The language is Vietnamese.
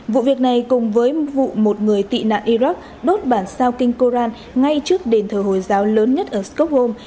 vụ việc này cùng với vụ một người tị nạn iraq đốt bản sao kinh koran ngay trước đền thờ hồi giáo lớn nhất ở stockholm